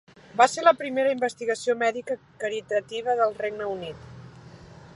Va ser la primera investigació mèdica caritativa al Regne Unit.